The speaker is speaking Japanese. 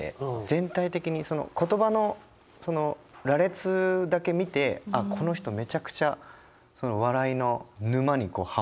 全体的にその言葉の羅列だけ見てあっこの人めちゃくちゃ村山さん